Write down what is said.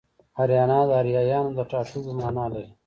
اریانا د اریایانو ټاټوبی مانا لري